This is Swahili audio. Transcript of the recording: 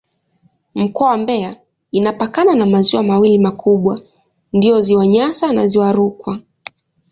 Mkoa wa Mbeya inapakana na maziwa mawili makubwa ndiyo Ziwa Nyasa na Ziwa Rukwa.